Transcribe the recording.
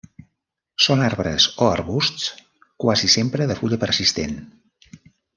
Són arbres o arbusts quasi sempre de fulla persistent.